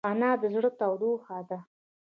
انا د زړه تودوخه ده